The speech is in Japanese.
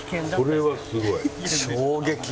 これはすごい。